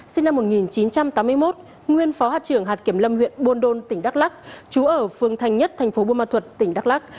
sinh năm một nghìn chín trăm tám mươi một nguyên phó hạt trưởng hạt kiểm lâm huyện buôn đôn tỉnh đắk lắc chú ở phương thành nhất thành phố buôn ma thuật tỉnh đắk lắc